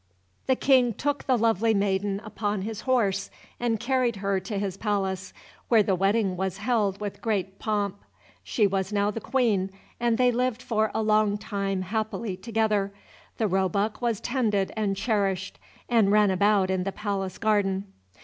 The King took the lovely maiden upon his horse and carried her to his palace, where the wedding was held with great pomp. She was now the Queen, and they lived for a long time happily together; the roebuck was tended and cherished, and ran about in the palace garden.